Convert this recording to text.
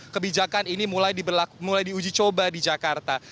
kebijakan ini mulai di uji coba di jakarta